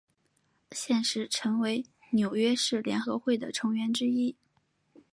现时陈为纽约市联合会的成员之一。